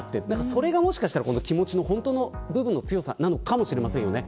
それがもしかしたら、気持ちの本当の部分の強さなのかもしれませんよね。